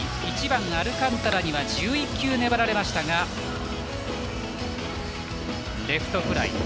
１番のアルカンタラ１１球粘られましたがレフトフライ。